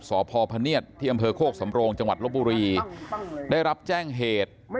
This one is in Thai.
สพพเนียดที่อำเภอโคกสำโรงจังหวัดลบบุรีได้รับแจ้งเหตุ